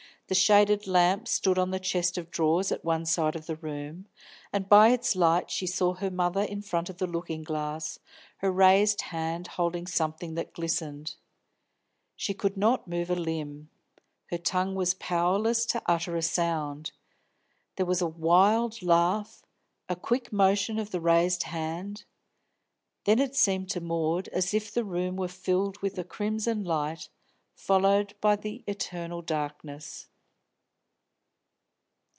The shaded lamp stood on the chest of drawers at one side of the room, and by its light she saw her mother in front of the looking glass, her raised hand holding something that glistened. She could not move a limb; her tongue was powerless to utter a sound. There was a wild laugh, a quick motion of the raised hand then it seemed to Maud as if the room were filled with a crimson light, followed by the eternal darkness.